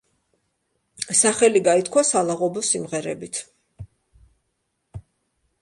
სახელი გაითქვა სალაღობო სიმღერებით.